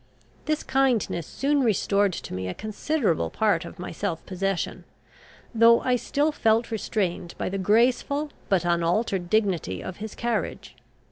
This kindness soon restored to me a considerable part of my self possession, though I still felt restrained by the graceful, but unaltered dignity of his carriage.